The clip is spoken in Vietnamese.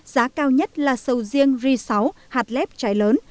giá cao nhất là sầu riêng ri sáu hạt lép trái lớn